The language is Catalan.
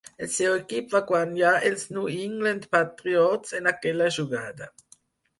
El seu equip va guanyar els New England Patriots en aquella jugada.